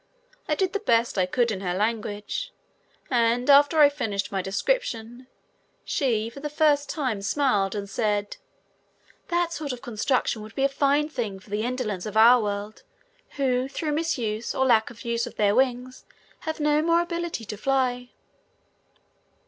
I did the best I could in her language, and after I had finished my description she for the first time smiled and said: "That sort of a construction would be a fine thing for the indolents of our world who, through misuse or lack of use of their wings, have no more ability to fly."